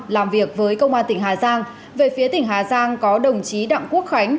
làm việc với công an tỉnh hà giang về phía tỉnh hà giang có đồng chí đặng quốc khánh